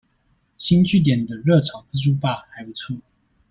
星聚點的熱炒自助吧還不錯